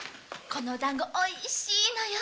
このだんごおいしいのよ。